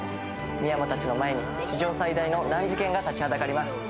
深山たちの前に史上最大の難事件が立ちはだかります。